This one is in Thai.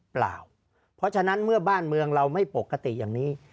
เปล่าเพราะฉะนั้นเมื่อบ้านเมืองเราไม่ปกติอย่างนี้